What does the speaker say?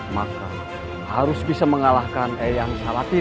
maka harus bisa mengalahkan ayahanda salatin